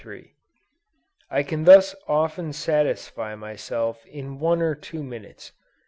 I can thus often satisfy myself in one or two minutes.